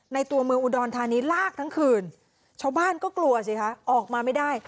ตัวเมืองอุดรธานีลากทั้งคืนชาวบ้านก็กลัวสิคะออกมาไม่ได้